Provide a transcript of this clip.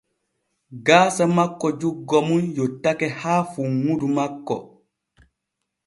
Gaasa makko juggo mum yottake haa funŋudu makko.